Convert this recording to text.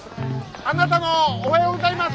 あなたのおはようございます！